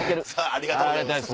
ありがとうございます。